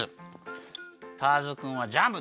ターズくんはジャム。